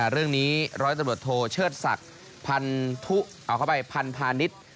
เรื่องนี้ร้อยตรวจโทรเชิดศักดิ์พันธุเอาเข้าไปพันพาณิชย์